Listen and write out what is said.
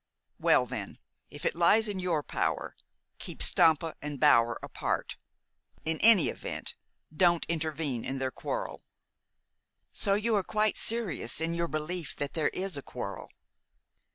"Well, then, if it lies in your power, keep Stampa and Bower apart. In any event, don't intervene in their quarrel." "So you are quite serious in your belief that there is a quarrel?"